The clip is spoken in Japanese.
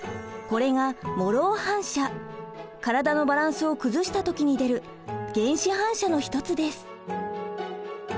これが体のバランスを崩した時に出る原始反射の一つです。